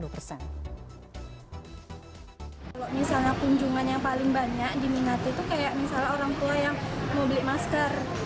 kalau misalnya kunjungan yang paling banyak diminati itu kayak misalnya orang tua yang mau beli masker